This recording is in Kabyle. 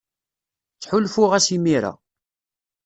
Ttḥulfuɣ-as imir-a.